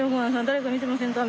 誰か見てませんか？」